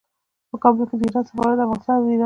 په کابل کې د ایران سفارت د افغانستان او ایران